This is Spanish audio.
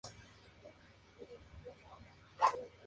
Derecho al Día.